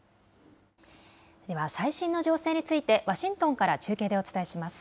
では最新の情勢についてワシントンから中継でお伝えします。